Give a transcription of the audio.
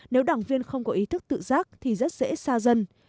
nếu đảng viên không có ý thức tự giác thì rất dễ xa dân